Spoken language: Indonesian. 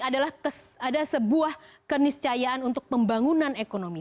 adalah ada sebuah keniscayaan untuk pembangunan ekonomi